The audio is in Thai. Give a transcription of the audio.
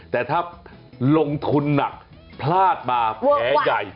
แต่ถ้าลงทุนหนักพลาดมาแผลใหญ่